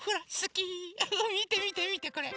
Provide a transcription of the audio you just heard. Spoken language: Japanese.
みてみてみてこれ。